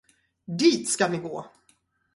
Dit ska ni gå.